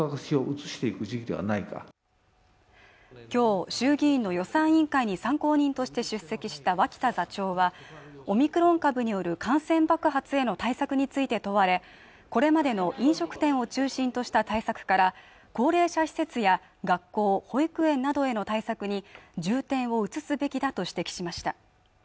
今日衆議院の予算委員会に参考人として出席した脇田座長はオミクロン株による感染爆発への対策について問われこれまでの飲食店を中心とした対策から高齢者施設や学校、保育園などへの対策に重点を移すべきだと指摘しました